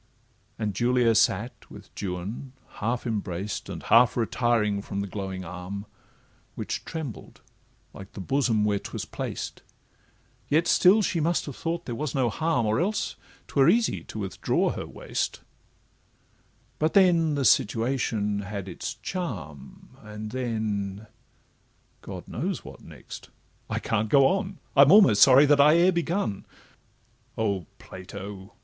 And Julia sate with Juan, half embraced And half retiring from the glowing arm, Which trembled like the bosom where 'twas placed; Yet still she must have thought there was no harm, Or else 'twere easy to withdraw her waist; But then the situation had its charm, And then—God knows what next—I can't go on; I'm almost sorry that I e'er begun. O Plato!